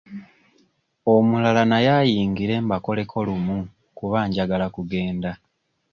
Omulala naye ayingire mbakoleko lumu kuba njagala kugenda.